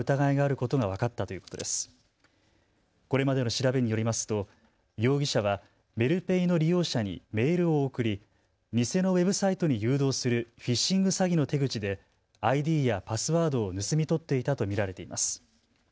これまでの調べによりますと容疑者はメルペイの利用者にメールを送り偽のウェブサイトに誘導するフィッシング詐欺の手口でＩＤやパスワードを盗み取っていたと見られています。